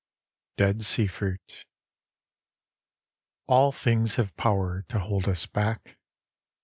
DEAD SEA FRUIT All things have power to hold us back.